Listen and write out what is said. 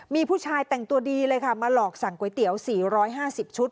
มีผู้ชายแต่งตัวดีเลยค่ะมาหลอกสั่งก๋วยเตี๋ยว๔๕๐ชุด